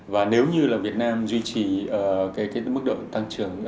và nếu như là việt nam duy trì cái mức độ tăng trưởng